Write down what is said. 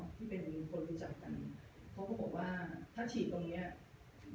ที่เป็นคนรู้จักกันเขาก็บอกว่าถ้าฉีดตรงเนี้ย